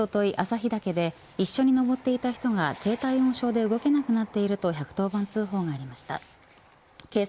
おととい、朝日岳で一緒に昇っていた人が低体温症で動けなくなっていると１１０番通報がありました。